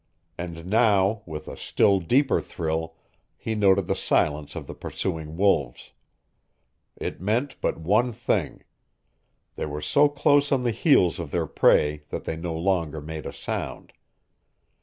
And now, with a still deeper thrill, he noted the silence of the pursuing wolves. It meant but one thing. They were so close on the heels of their prey that they no longer made a sound.